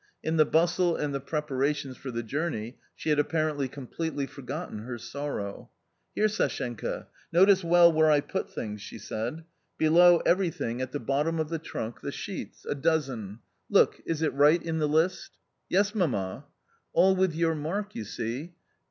In the bustle and the preparations for the journey she had apparently completely forgotten her sorrow. " Here, Sashenka, notice well where I put things," she said. " Below everything, at the bottom of the trunk, the sheets, a dozen. Look, is it right in the list? " "Yes, mamma." " All with your mark, you see.